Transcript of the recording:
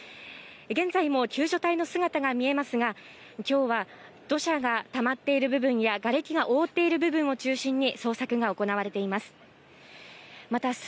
現在も救助隊の姿が見えますが、今日は土砂がたまってる部分や、がれきが覆ってる部分を中心に捜索が行われています。